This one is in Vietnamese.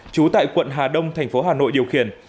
trú tại quận hà đông thành phố hà nội điều khiển